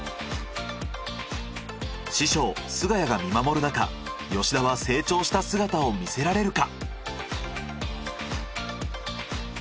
師匠菅谷が見守るなか吉田は成長した姿を見せられるか。